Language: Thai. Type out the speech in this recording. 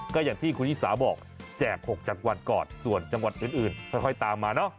ก็อย่างที่คุณชิสาบอกแจก๖จังหวัดก่อนส่วนจังหวัดอื่นค่อยตามมาเนอะ